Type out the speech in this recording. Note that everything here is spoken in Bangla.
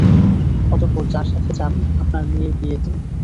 অতঃপর, যার সাথে চান আপনার মেয়ের বিয়ে দিন।